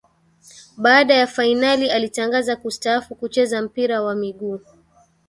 Baada ya fainali alitangaza kustaafu kucheza mpira wa miguu